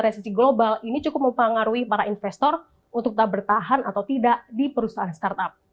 resesi global ini cukup mempengaruhi para investor untuk tak bertahan atau tidak di perusahaan startup